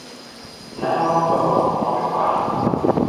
N’abamu bagwa mu mmotoka!